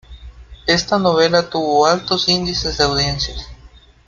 Esta novela tuvo altos índices de audiencias.